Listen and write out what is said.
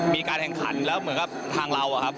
มีการแข่งขันแล้วเหมือนกับทางเราอะครับ